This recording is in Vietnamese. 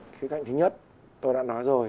khi cạnh thứ nhất tôi đã nói rồi